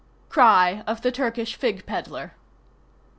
—_Cry of the Turkish fig peddler.